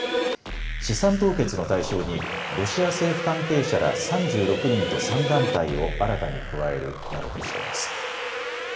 資産凍結の対象にロシア政府関係者ら３６人と３団体を新たに加えるなどとしています。